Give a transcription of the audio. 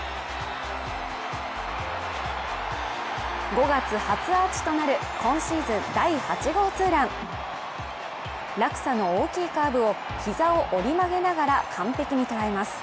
５月初アーチとなる今シーズン第８号ツーラン落差の大きいカーブを膝を折り曲げながら完璧に捉えます。